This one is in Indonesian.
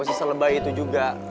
gue sih selebay itu juga